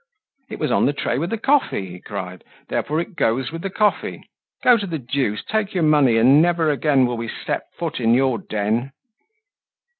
"It was on the tray with the coffee," he cried; "therefore it goes with the coffee. Go to the deuce! Take your money, and never again will we set foot in your den!"